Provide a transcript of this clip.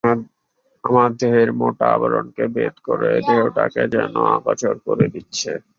তারা দেহের মোটা আবরণটাকে ভেদ করে দেহটাকে যেন অগোচর করে দিচ্ছে।